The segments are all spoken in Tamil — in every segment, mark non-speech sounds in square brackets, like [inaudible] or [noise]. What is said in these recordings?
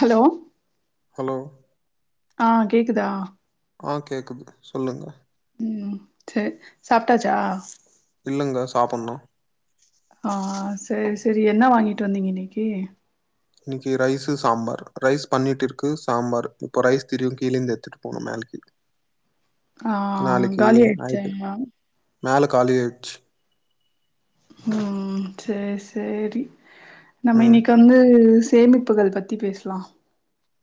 ஹலோ ஹலோ ஆ கேக்குதா ஆ கேக்குது சொல்லுங்க ம் சேரி சாப்பிட்டாச்சா இல்லங்க சாப்பிட்ணு ஆ சேரி சேரி என்ன வாங்கிட்டு வந்தீங்க இன்னைக்கி இன்னைக்கு ரைஸு சாம்பார் ரைஸ் பண்ணிட்டு இருக்கு சாம்பார் இப்போ ரைஸ் தெரியு கீழேந்து எத்துட்டு போனு மேலேக்கி ஆ காலி ஆயிடுச்சே ஞாயித்துரு எல்லா மேல காலி ஆய்ட்ச்சி ம் சேரி சேரி நம்ம ம் இன்னைக்கு வந்து சேமிப்புகள் பத் தி பேஸ்லா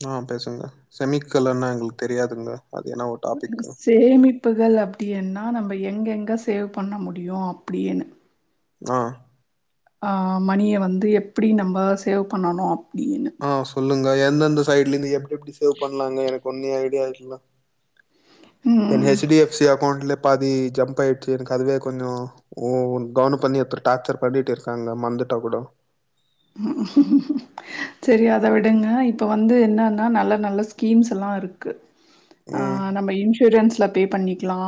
ஆ பேசுங்க செமிக்கல்லனா எங்களுக் தெரியாதுங்க அது என்னாவோ டாபிக்கு சேமிப்புகள் அப்டின்னா நம்ப எங்கெங்க சேவ் பண்ண முடியு அப்டின்னு ஆ அ மணிய வந்து எப்டி நம்ப சேவ் பண்ணணு அப்டினு ஆ சொல்லுங்க எந்தெந்த சைட்லந்து எப்டி எப்டி சேவ் பண்ணலாங்க எனக்கு ஒன்னே ஐடியா இல்ல ம் என் ஹெச் டி எஃப் சி அக்கௌண்ட்ல பாதி ஜம்ப் ஆயிச்சு எனக்கு அதுவே கொஞ்சோ ஓ கவன பண்ணி எப்ப டாச்சர் பண்ணிட் இருக்காங்க மர்ந்துட்டா கூடோ செரி அத விடுங்க இப்போ வந்து என்னன்னா நல்ல நல்ல ஸ்கீம்ஸ் எல்லா இருக்கு ஆ ம் நம்ம இன்சூரன்ஸ்ல பே பண்ணிக்லா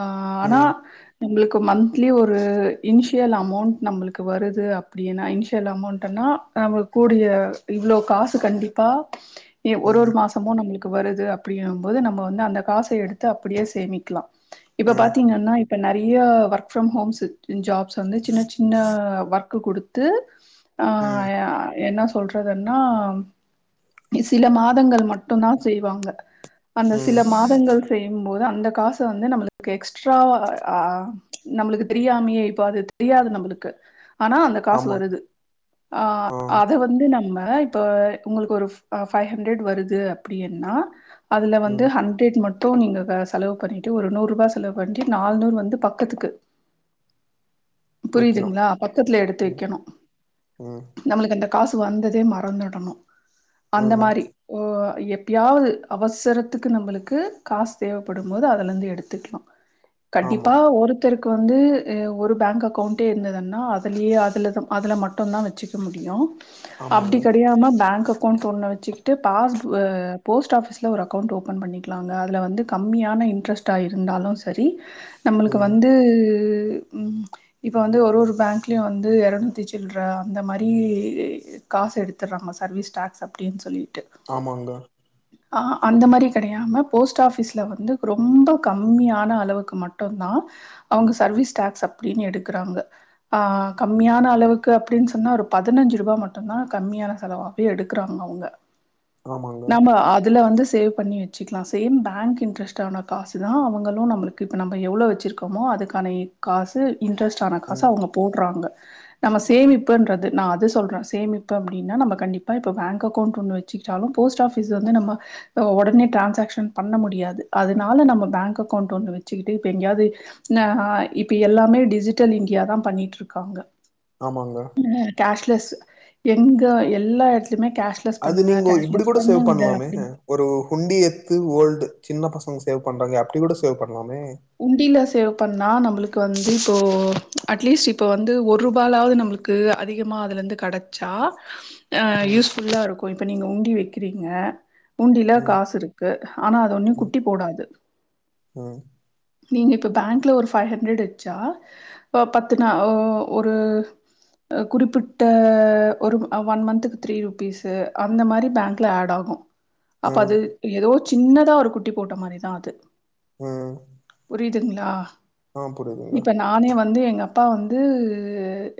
ஆ ஆனா ம் நம்ளுக்கு மந்த்லி ஒரு இன்ஷியல் அமௌண்ட் நம்ளுக்கு வருது அப்டின்னா இன்ஷியல் அமௌண்ட் டன்னா நம்ம கூடிய இவ்ளோ காசு கண்டிப்பா எ ஒரு ஒரு ம் மாஸ் தம்மு நம்ளுக்கு வருது அப்டிங்கு போது நம்ம வந்து அந்த காச எடுத்து அப்டியே சேமிக்லா இப்ப ம் பாத்தீங்கன்னா இப்ப நெறைய ஒர்க் ஃப்ரம் ஹோம்ஸ் ஜாப்ஸ் வந்து சின்ன சி ன்ன ஒர்க்கு குடுத்து ம் ஆ என்ன சொல்றதுன்னா சில மாதங்கள் மட்டு தா செய்வாங்க அந்த சில ம் மா தங்கள் செய்யு போது அந்த காச‌ வந்து நம்ளுக்கு எக்ஸ்ட்ராவா ஆ நம்ளுக்கு தெரியாமையே இப்ப அது தெரியாது நம்புளுக்கு ஆனா அந்த காசு ஆமா வருது ஆ அத் அத வந்து நம்ம இப்ப உங்களுக்கு ஒரு அ பைவ் ஹண்ட்ரட் வருது அப்டின்னா அதுல வந்து ம் ஹண் சேத்தி மட்டு நீங்க செலவு பண்ணிட்டு ஒரு நூறு ரூபா செலவு பண்ணிட்டு நால் நூறு வந்து பக்கத்துக்கு வெக்கணு புரியிதுங்ளா பக்கத்ல எடுத்து ம் வெக்கனு ம் நம்ளுக்கு அந்த காசு வந்ததே மறந்துடனு அந்த ம் மாரி ஒ எப் யாவது அவசரத்துக்கு நம்பளுக்கு காசு தேவப்படும்போது அதுலந்து எடுத்துக்லா ஆமா கண்டிப்பா ஒரு தருக்கு வந்து அ ஒரு பேங்க் அக்கௌண்டே இருந்ததன்னா அதுலியே அதில்ன அதல மட் டு தா வெச்சிக்க முடியு அப்டி ஆமாங்க கெடையாம பேங்க் அக் அக்கௌண்ட் ஒன்ன வச்சுக்கிட்டு பாஸ் பு அ போஸ்ட் ஆபிஸ்ல ஒரு அக்கௌண்ட் ஓப்பன் பண்ணிக்லாங்க அதுல வந்து கம்மியான இன்ட்ரெஸ்ட் தா இருந்தாலு சரி நம்ளுக்கு ம் வந்து இப்ப வந்து ஒரு ஒரு பேங்க்லியு வந்து எர நூத்தி சில் சில்ற அந்த மாரி காசு எடுத்தறாங்க சர்வீஸ் டேக்ஸ் அப்டின் சொல்லிட்டு ஆமாங்க ஆ அந்த மாரி கெடையாம போஸ்ட் ஆபீஸ்ல வந்து ரொம்ப கம்மியான அளவுக்கு மட்டு தா அவ்ங்க சர்வீஸ் டாக்ஸ் அப்டின்னு எடுக்குறாங்க ஆ கம்மியான அளவுக் க்கு அப்டின்னு சொன்னா ஒரு பதினஞ்சு ருவா மட்டுந்தா கம்மியான செலவாஅப்டியே எடுக்குறாங்க அவங்க ஆமாங்க நாம்ம அதுல வந்து சேவ் பண்ணி வச்சுக்கலா சேம் பேங்க் இன்ட்ரஸ்ட் ஆன காசு தா அவுங்களு நம்ளுக்கு இப்ப நம்ம எவ்ளோ வச்சிருக் கமோ அதுக்கான காசு இன்ட்ரெஸ்ட் ஆன காசு ம் அவங்க போட்றாங்க நம்ம சேமிப்புன்றது நா அது சொல்றே சேமிப்பு அப்டின்னா நம்ம கண்டிப்பா இப்ப பேங்க் அக்கௌண்ட் ஒண்ணு வ ச்சுக்கிட்டாலு போஸ்ட் ஆஃபீஸ் வந்து நம்ம உடனே ட்ரான்சாக்ஷ்ன் பண்ண முடியாது அதனால நம்ம பேங்க் அக்கௌண்ட் ஒன்னு வச்சுக்கிட்டு இப்ப எங்கயாவுது இப்ப எல்லாமே டிஜிட்டல் இன்டியா தா பண்ணிட் இருக்காங்க ஆமாங்க கேஷ்லெஸ் எங்க எல்லா எட்த்துலுமே கேஷ் அது நீங்கோ இப்டி கூட சேவ் பண்லாமே ஒரு உண்டி எத்து ஓல்டு சின்ன பசங்க சேவ் பண்ணுறாங்க அப்டி கூட சேவ் பண்லாமே உண்டில சேவ் பண்ணா நம்மளுக்கு வந்து இப்போ அட்லீஸ்ட் இப்போ வந்து ஒரு ரூபாலாது நம்ளுக் கு அதிகமா அதுல இருந்து கெடச்சா அ ம் யூஸ்ஃபுல்லா இருக்கு இப்போ நீங்க உண்டி வைக்கிறீங்க உண்டியில ம் காசு இருக்கு ஆனா அது ஒன்னு ம் குட்டி போடாது ம் நீங்க இப்போ பேங்க்ல ஒரு ஃபைவ் ஹண்ட்ரட் வச்சா பத்து நா ஒரு குறிப்பிட்ட ஒரு ஒன் மந்த்துக்கு த்ரீ ருப்பீஸு அந்த மாரி பேங்க்ல ஆட் ஆகு அப்போ அது ம் ஏதோ சின்னதா ஒரு குட்டி போட்ட மாரிதா அது ம் புரியுதுங்களா ஆ புரியுதுங்க இப்ப நானே வந்து எங்க அப்பா வந்து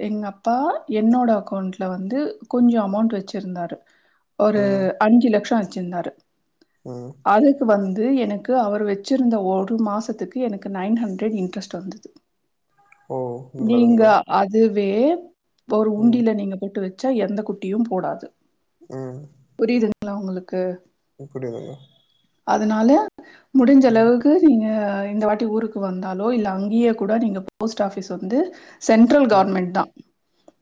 எங்க அப்பா என்னோட அக்கௌண்ட்ல வந்து கொஞ்சோ அமௌண்ட் வச்சு இருந்தாரு ஒரு ம் அஞ்சு லக்சோ வச்சிருந்தாரு ஆஹ அதுக்கு வந்து எனக்கு அவரு வச்சிருந்த ஒரு மாஸ் சத்துக்கு எனக்கு நைன் ஹண்ட்ரட் இன்ட்ரெஸ்ட் வந்தது ஓ நீங்க நல்லதுங்க அதுவே இப்போ ஒரு ம் உண்டில நீங்க போட்டு வச்சா எந்த குட்டியு போடாது ம் புரியுதுங்களா உங்களுக்கு [unintelligible] அதனால முடிஞ்ச ம் அளவுக்கு நீங்க இந்த வாட்டி ஊருக்கு வந்தாலோ இல்ல அங்கேயே கூட நீங்க போஸ்ட் ஆபிஸ் வந்து சென்ட்ரல் ம் கவ்ர்மெண்ட் தா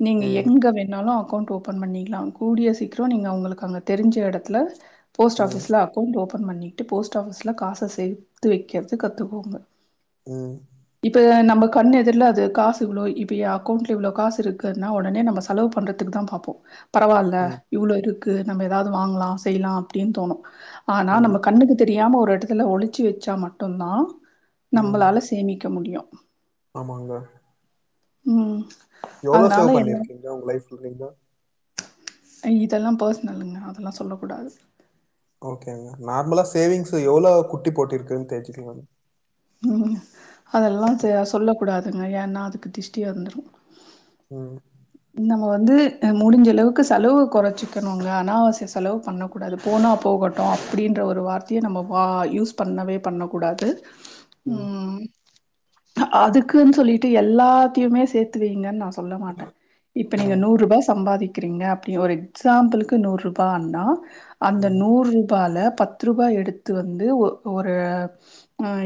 நீங்க ம் எங்க வேணாலு அக்கௌண்ட் ஓப் பன் பண்ணிக்கலா கூடிய சீக்கிரோ நீங்க உங்களுக்கு அங்க தெரிஞ்ச எடத்துல போஸ்ட் ம் ஆபீஸ்ல அக்கவ்ண்ட் ஓபன் பண்ணிட்டு போஸ்ட் ஆபிஸ்ல காச சேத்து வைக்கிற்து கத்துக்கோங்க ம் இப்ப நம்ம கண்ணு எதர்ல அது காசு இவ்வளோ இப்ப ஏ அக்கவுண்ட்ல இவ்ளோ காசு இருக்குன்னா ஒடனே நம்ம ஸா செலவு பண்றதுக்கு தா பாப்போ பரவாயில்ல ம் இவ்ளோ இருக்கு நம்ம ஏதாவுது வாங்கலா செய்யலா அப்டின்னு தோணு ஆனா ம் நம்ம கண்ணுக்கு தெரியாம ஒரு எடத்துல ஒழிச்சு வச்சா மட்டுந்தா ம் நம்மளால சேமிக்க முடியு ஆமாங்க ம் எவ்ளோ அதனால சேவ் எல்லா பண்ணிருக்கீங்க உங்க லைஃப்ல நீங்க இதெல்லாம் பர்ஸ்னலுங்க அதெல்லாம் சொல்லக்கூடாது ஓகேங்க நார்மலா சேவிங்ஸ் எவ்ளோ குட்டி போட்ருக்குன்னு தெரிஞ்சுக்லாமா அதெல்லாம் சொல்லக்கூடாதுங்க ஏன்னா அதுக்கு டிஸ்டியா வந்துடும் ம் நம்ம வந்து முடிஞ்சளவுக்கு செலவு குறைச்சிக்கணுங்க அனாவசிய செலவு பண்ண கூடாது போனா போகட்டும் அப்டின்ற ஒரு வார்த்தைய நம்ம வா யூஸ் பண்ணவே பண்ணக்கூடாது ம் அதுக்குன்னு சொல்லிட்டு எல்லாத்தையுமே சேத்துவைங்கன்னு நா சொ சொல்ல மாட்டேன் இப்ப நீங்க ம், நூறு ரூபாய் சம்பாதி க்ரீங்க அப்டி ஒரு எக்ஸாம்புலுக்கு நூறு ரூபா அப்டினா அந்த ம், நூறு ரூபாயல பத்து பத்து ரூபாய் எடுத்து வந்து ஒரு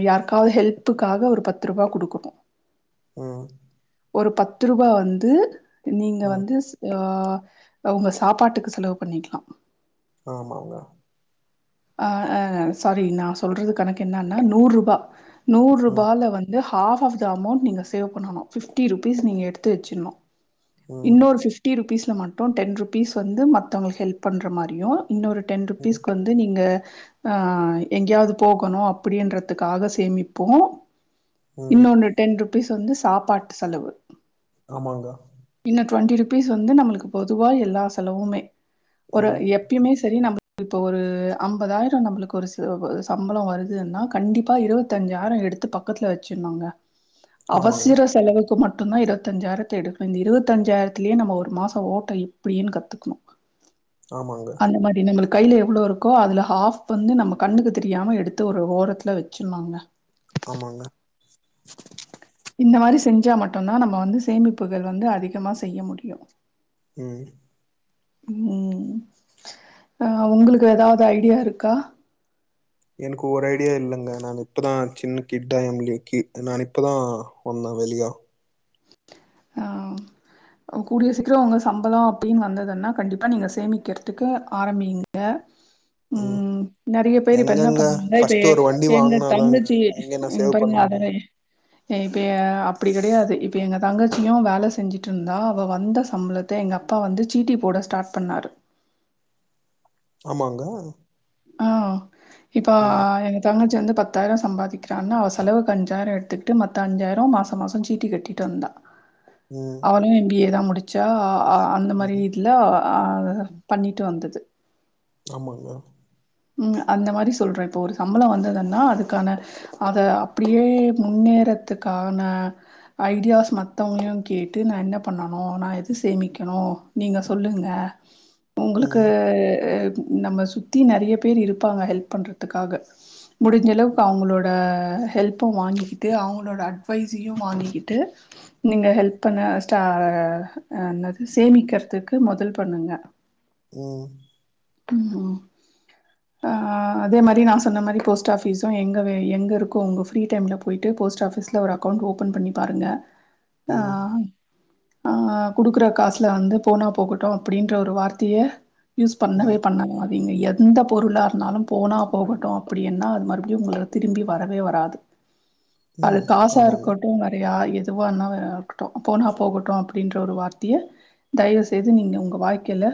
யா ருக்காவது ஹெல்ப்புக்காக ஒரு பத்து ரூபா கொடுக்குறோம் ஆ ஒரு பத்து ரூபா வந்து நீங்க ம். வந்து உங்க சாப்பாட்டுக்கு செலவு பண்ணிக்கலாம் ஆமாங்க ஆ சாரி நான் சொல்றது கணக்கு என்னன்னா நூறு ரூபா நூறு ம், ரூபால வந்து ஆஃப் ஆஃப்த அமௌண்ட் நீங்க சேவ் பண்ணனும் ஃபிப்டிருபீஸ் நீங்க எடுத்து வச்சுர்னும் ம், இன்னொரு ஃபிப்டி ஃ பிப்டி ருபிஸ்ல மட்டும் டென் ருப்பீஸ் வந்து மத்தவங்களுக்கு ஹெல் பண்ற மாரியு இன்னொ டென் ம், ருபீஸ்கு வந்து நீங்க எங்கயாவது போகணும் அப்டின்றதுக்காக சேமிப்போம் ம். இன்னொன்னு டென் ருபீஸ் வந்து சாப்பாட்டு செலவு ஆமாங்க இன்ன டுவெண்டி ருபீஸ் வந்து நம்மளுக்கு பொதுவா எல்லா செலவுமே ஒரு ம். எப் பியுமே செரி நம்ம இப்போ ஒரு அம்பதாயிரம் நம்மளுக்கு ஒரு சம்பளம் வருதுன்னா கண்டிப்பா இருபத்தி அஞ்சாயிரம் எடுத்து பக்கத்துல வச்ருனுங்க ஆமாங்க, அவசர செலவுக்கு மட்டும் தான் இருபத்தி பஞ்சாயிரத்தை எடுக்கனு இந்த இருபத்திஞ்சாயிரத்துலேயே நம்ம மாசம் ஓட்ட எப்டின்னு கத்துக்கணும் ஆமாங்க, அந்த மாதிரி நம்மளு கையில எவ்ளோ இருக்கோ அதில ஹாஃப் வந்து நம்ம கண்ணுக்கு தெரியாம எடுத்து ஒரு ஓரத்துல வச்சுருனுங்க ஆமாங்க இந்த மாதிரி செஞ்சா மட்டும்தான் நம்ம வந்து சேமிப்புகள் வந்து அதிகமா செய்ய முடியும் ம் ம் உங்களுக்கு ஏதாவது ஐடியா இருக்கா எனக்கு ஒரு ஐடியா இல்லைங்க நான் இப்போ தான் சின்ன கிட்டா எம்ல கி நான் இப்போ தான் வந்தேன் வெளியா ஆ கூடிய சீக்கரம் உங்களு சம்பளம் அப்டின்னு வந்ததுன்னா கண்டிப்பாக நீங்க சேமிக்கிறதுக்கு ஆரம்பிங்க ம் நெறைய பேர் இப்ப என்ன எங்கங்க பண்ணாங்கா இப்ப ஃபர்ஸ்ட்டு ஒரு வண்டி எங்க வாங்குனாதாங்க தங்கச்சி எங்க நான் சேவ் பண்ண பாருங்க அதனை முடியும். இப்போ அப்டி கெடையாது இப்போ எங்க தங்கச்சியும் வேல செஞ்சிட்டு இருந்தா அவள் வந்த சம்பளத்தை எங்கள் அப்பா வந்து சீட்டி போட ஸ்டார்ட் பண்ணாரு ஆமாங்க ஆ இப்போ ம், எங் தங்கச்சி வந்து பத்தாயிரம் சம்பாதிக்கிறான்னா அவ செலவுக்கு அஞ்சாயிரம் எடுத்துட்டு மத்த அஞ்சாயிரம் மாதம் மாதம் சீட்டி கட்டிகிட்டு வந்தா ஆ ம் அவனும் எம் பி ஏ தான் முடித்தா அந்த மாதிரி ம். இதில பண்ணிகிட்டு வந்தது ஆமாங்க ம் அந்த மாரி சொல்றே இப்போ ஒரு சம்பளோ வந்ததுன்னா அதுக்கான அத அப்டியே முன்னேறத்துக்கான ஐடியாஸ் மத்தவங்களு கேட்டு நா என்ன பண்ணணு நா எது சேமிக்கணு நீங்க சொல்லுங்க உங்களுக்கு ம், இது நம்ம சுத்தி நறிய பேர் இருப்பாங்க ஹெல்ப் பண்றதுக்காக முடிஞ்ச அளவுக்கு அவங்களோட ஹெல்ப்பு வாங்கிக்கிட்டு அவங்களோட அட்வைஸையு வாங்கிக்கிட்டு நீங்க ஹெல்ப் பண்ண ஸ்டா அ என்னது சேமிக்கறதுக்கு மொதல் பண்ணுங்க ம் ஐயோ அ அதே மாரி நா சொன்ன மாரி போஸ்ட் ஆஃபீஸா எங்கவே எங்க இருக்கோ உங்க ஃப்ரீ டைம்ல போயட்டு போஸ்ட் ஆஃபிஸ்ல ஒரு அக்கௌண்ட் ஓப்பன் பண்ணி பாருங்க அ ம், ஆ குடுக்குற காசுல வந்து போனா போகட்டு அப்டின்ற ஒரு வார்த்திய பண்ணவே ம், பண்ணனாதீங்க எ ந்த பொருளா இருந்தாலு போனா போகட்டு அப்படின்னா அது மறுபடியு உங்கள திரும்பி வரவே வராது அது ம். காசா ஆமாங்க, இருக்க ட்டு வறையா எதுவானா வே இருக்கட்டு போனா போகட்டு அப்டின்ற ஒரு வார்த்திய தயவுசெய்து நீங்க உங்க வாழ்க்கையில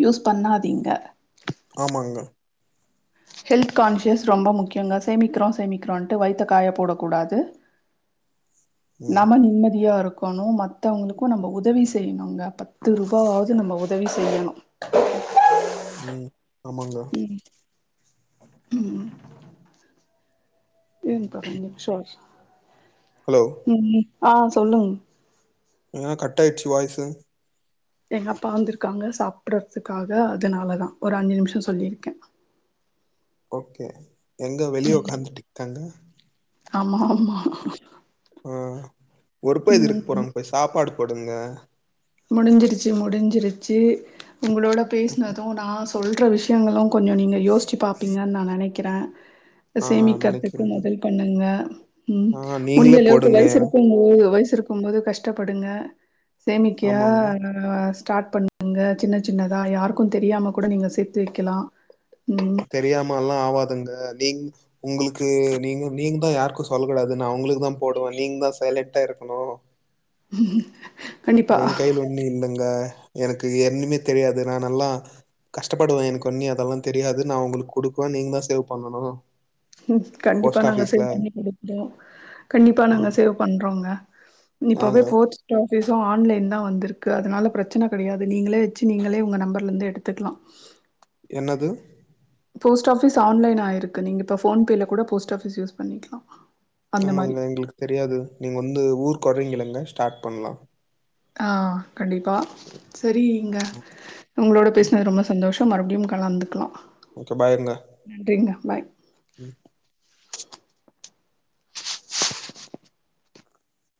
யூஸ் பண்ணாதீங்க ஆமாங்க ஹெல்த் கான்சியஸ் ரொம்ப முக்கியங்க சேமிக்கிறோ சேமிக்கிறோன்ட்டு வயித்த காய போடக்கூடாது ம், நம நிம்மதியா இருக்கணு மத் தவங்களுக்கூ நம்ம உதவி செய்யணுங்க பத்து ருபாயாவது நம்ம உதவி செய்யணு ம் ஆமாங்க ம் இங்கா ரெண்டு நிம்ஷோ ஹலோ நில்லு ஆ சொல்லுங் ஏ கட்டாயிட்ச்சு வாய்சு எங்க அப்பா வந்துருக்காங்க சாப்ட்டதுக்காக அதுனாலதா ஒரு அஞ்சு நிம்ஷோ சொல்லிருக்கே [inaudible] ஓக்கே எங்க வெளிய உக்காந்துட்டித் தாங்க ஆமா ஆமா ஆ ஒருப்பது இருக்கு ம் போறாங் போய் சாப்பாடு போடுங்க முடிஞ்சிருச்சி முடிஞ்சிருச்சி உங்களோட பேசுனது நா சொல்ற விஷ் தங்களு கொஞ்சோ நீங்க யோசிச்சு பாப்பீங்க நா நெனைக்கிறே அ ஆ சேமிக்கறதுக்கு நெனைக்கிறேங்க. மொதல் பண்ணுங்க ம் ஆ முடிஞ்ச நீங்களே அளவுக்கு போடுங்க. வயிசு இருக்கும் போது வயிசு இருக் கும்போது கஷ்டப்படுங்க சேமிக்கா ஆமாங்க. அ ஸ்டாட் பண்ணுங்க சின்ன சின்னதா யாருக்கு தெரியாம கூட நீங்க சேத்து வைக்கலா ம் தெரியாமலா ஆவாதுங்க நீங உங்களுக்கு நீங்கோ நீங்க தா யாருக்கு சொல்ல கூடாது நா உங்களுக்கு தா போடுவ நீங்க தா சைலண்ட்டா இருக்கணு உம் [inaudible] என் கைல ஒண்ணு இல்லங்க எனக்கு என்னுமே தெரியாது நா நல்லா கஷ்டப்படுவே எனக்கொன்னி அதெல்லா தெரியாது நா உங்களுக்கு குடுக்குவ நீங்க தா சேவ் பண்ணணு ம் கண்டிப்பா நாங்க சேவ் பண்ணி குடுப்போ கண்டிப்பா நாங்க ம் சேவ் பண்றோங்க இப்போவே ஆங்க போட் லா ஃபீஸு ஆன்லைன் தா வந்திருக்கு அதனால பிரச்சன கிடையாது நீங்களே வச்சு நீங்களே உங்கள் நம்பர்லருந்து எடுத்துக்லா என்னது போஸ்ட் ஆஃபீஸ் ஆன்லைனாயிருக்கு நீங்க இப்ப ஃபோன்பேல கூட போஸ்ட் ஆஃபீஸ் யூஸ் பண்ணிக்கலா அந்த மாரி ஆமாங்க எங்களுக்கு தெரியாது நீங்க வந்து ஊர்க்கு வறீங்களங்க ஸ்டார்ட் பண்லா ஆ கண்டிப்பா சரி இங்க உங்களோட பேசினது ரொம்ப சந்தோஷோ மறுபடியு கலந்துக்கலா ஓகே பாய்ங்க நன்றிங்க பாய் ம்